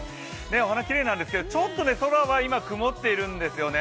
お花きれいなんですけどちょっと今は空、曇ってるんですよね。